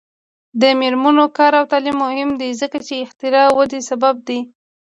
د میرمنو کار او تعلیم مهم دی ځکه چې اختراع ودې سبب دی.